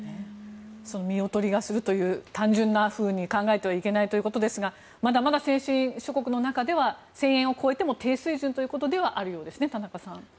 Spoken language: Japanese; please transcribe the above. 見劣りがするという単純なふうに考えてはいけないということですがまだまだ先進諸国の中では１０００円を超えても低水準ということではあるようですね、田中さん。